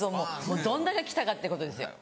もうどんだけ来たかってことですよ